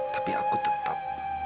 tapi aku tetap